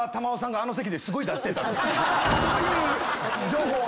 そういう情報を。